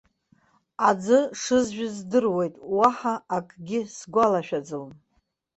Аӡы шызжәыз здыруеит, уаҳа акгьы сгәалашәаӡом.